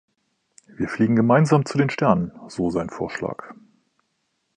„Wir fliegen gemeinsam zu den Sternen,“ so sein Vorschlag.